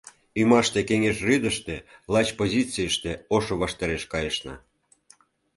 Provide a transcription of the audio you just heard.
Ӱмаште кеҥеж рӱдыштӧ лач позицыште ошо ваштареш кайышна...